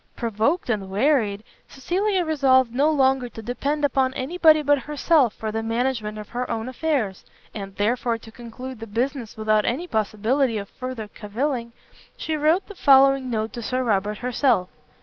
Provoked and wearied, Cecilia resolved no longer to depend upon any body but herself for the management of her own affairs, and therefore, to conclude the business without any possibility of further cavilling, she wrote the following note to Sir Robert herself.